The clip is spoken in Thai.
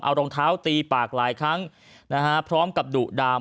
เอารองเท้าตีปากหลายครั้งนะฮะพร้อมกับดุดาม